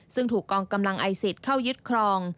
ซึ่งถูกกองกำลังไอศิษย์เข้ายึดครอง